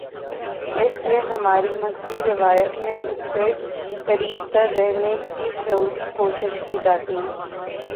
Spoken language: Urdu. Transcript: اس لیے ہماری مذہبی روایت میں اس سے قریب تر رہنے کی شعوری کوشش کی جاتی ہے۔